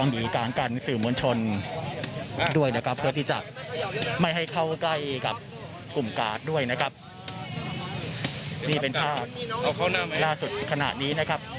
นี่เป็นภาพลากสุดขนาดนี้